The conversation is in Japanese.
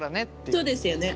そうですよね。